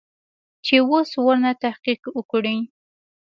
چې اوس ورنه تحقيق وکې.